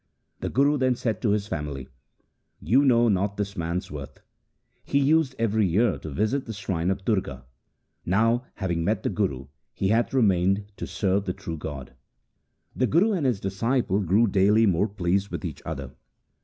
The Guru then said to his family :' You know not this man's worth. He used every year to visit the shrine of Durga. Now, having met the Guru, he hath remained to serve the true God.' LIFE OF GURU ANGAD The Guru and his disciple grew daily more pleased with each other.